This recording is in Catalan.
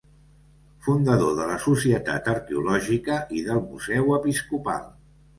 Fundador de la Societat Arqueològica i del Museu Episcopal.